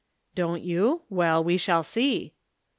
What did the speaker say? " Don't you ? Well, we shall see."